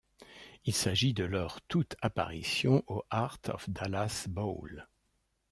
Il s'agit de leur toute apparition au Heart of Dallas Bowl.